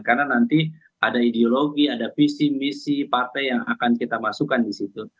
karena nanti ada ideologi ada visi misi partai yang akan kita masukkan di situ